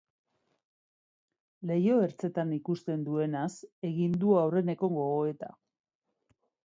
Leiho ertzetan ikusten duenaz egin du aurrenengo gogoeta.